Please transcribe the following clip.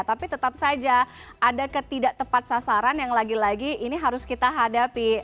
tapi tetap saja ada ketidak tepat sasaran yang lagi lagi ini harus kita hadapi